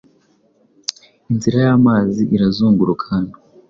inzira yamazi irazunguruka hano